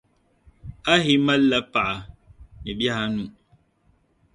Ahi mali la paɣa ni bihi anu.